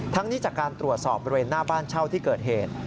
นี้จากการตรวจสอบบริเวณหน้าบ้านเช่าที่เกิดเหตุ